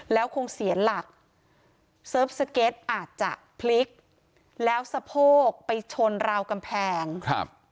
แล้วคงเสียหลักเซิร์ฟสเก็ตอาจจะพลิกแล้วสะโพกไปชนราวกำแพงครับ